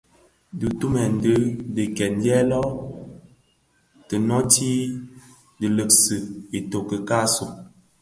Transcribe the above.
Dhitumèn di dhi kèn gwed dyèdin lō, ti nooti dhi lèèsi itoki asu.